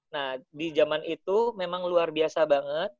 nah di zaman itu memang luar biasa banget